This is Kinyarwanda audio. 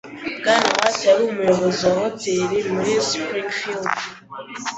Bwana White yari umuyobozi wa hoteri muri Springfield.